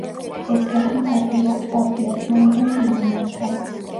ეს საქმე კათალიკოს– პატრიარქმა, ანტონ პირველმა ითავა.